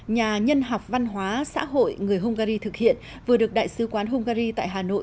nhà nhân học văn hóa xã hội người hungary thực hiện vừa được đại sứ quán hungary tại hà nội